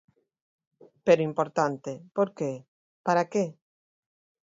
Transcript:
Pero importante, ¿por que?, ¿para que?